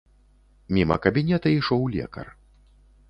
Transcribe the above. Міма кабінета ішоў лекар.